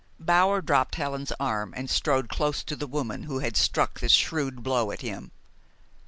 Bower dropped Helen's arm, and strode close to the woman who had struck this shrewd blow at him.